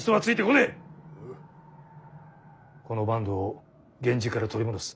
この坂東を源氏から取り戻す。